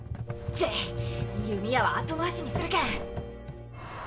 チッ弓矢は後回しにするか。